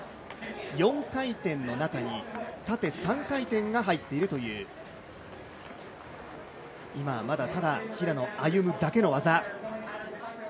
４回転の中に縦３回転が入っているという、今はまだ平野歩夢だけの技。